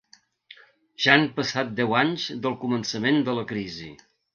Ja han passat deu anys del començament de la crisi.